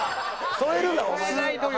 添えるなお前！